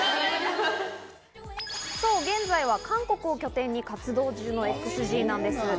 現在は韓国を拠点に活動中のＸＧなんです。